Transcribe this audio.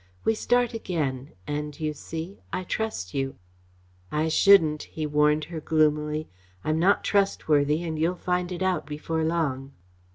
We start again, and you see I trust you." "I shouldn't," he warned her gloomily. "I'm not trustworthy, and you'll find it out before long."